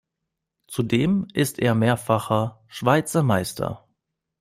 Zudem ist er mehrfacher Schweizer Meister.